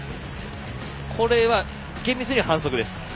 これは厳密には反則です。